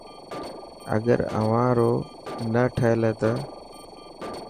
اگر اوهان رون نه ٺهيل هي ته.